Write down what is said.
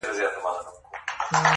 نه په كار مي پاچهي نه خزانې دي!!